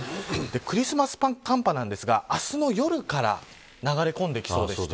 クリスマス寒波ですが明日の夜から流れ込んできそうです。